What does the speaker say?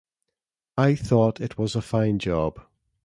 I thought it was a fine job.